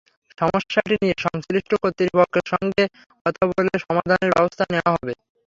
সমস্যাটি নিয়ে সংশ্লিষ্ট কর্তৃপক্ষের সঙ্গে কথা বলে সমাধানের ব্যবস্থা নেওয়া হবে।